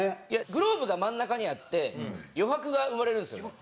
グローブが真ん中にあって余白が生まれるんですよね。